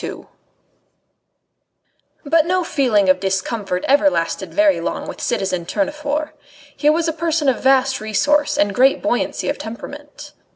II But no feeling of discomfort ever lasted very long with citizen Tournefort. He was a person of vast resource and great buoyancy of temperament.